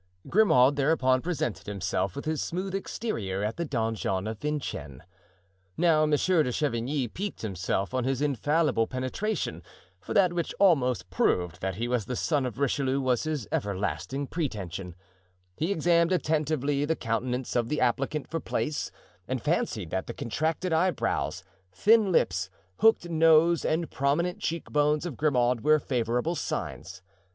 Grimaud thereupon presented himself with his smooth exterior at the donjon of Vincennes. Now Monsieur de Chavigny piqued himself on his infallible penetration; for that which almost proved that he was the son of Richelieu was his everlasting pretension; he examined attentively the countenance of the applicant for place and fancied that the contracted eyebrows, thin lips, hooked nose, and prominent cheek bones of Grimaud were favorable signs.